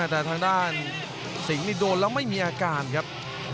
แต่ทางด้านสิงห์นี่โดนแล้วไม่มีอาการครับ